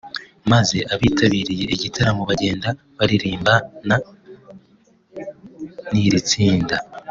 maze abitabiriye igitaramo bagenda baririmbana n’iri tsinda